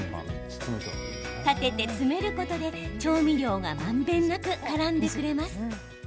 立てて詰めることで調味料がまんべんなく、からんでくれます。